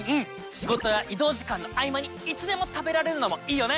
仕事や移動時間の合間にいつでも食べられるのもいいよね！